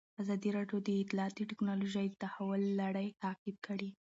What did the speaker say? ازادي راډیو د اطلاعاتی تکنالوژي د تحول لړۍ تعقیب کړې.